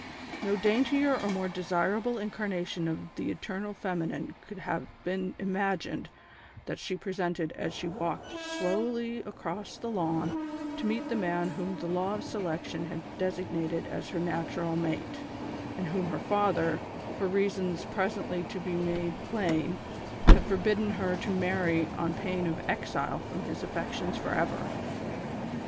No daintier or more desirable incarnation of the eternal feminine could have been imagined than she presented as she walked slowly across the lawn to meet the man whom the Law of Selection had designated as her natural mate, and whom her father, for reasons presently to be made plain, had forbidden her to marry on pain of exile from his affections for ever.